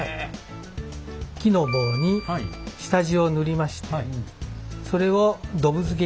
木の棒に下地を塗りましてそれをドブ漬け。